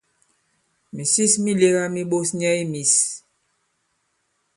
Mìsis mi lēgā mi ɓos nyɛ i mīs.